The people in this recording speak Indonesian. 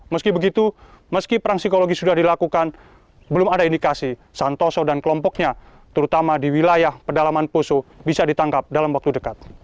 meski begitu meski perang psikologi sudah dilakukan belum ada indikasi santoso dan kelompoknya terutama di wilayah pedalaman poso bisa ditangkap dalam waktu dekat